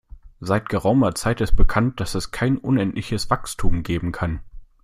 Seit geraumer Zeit ist bekannt, dass es kein unendliches Wachstum geben kann.